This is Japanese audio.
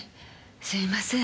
すいません。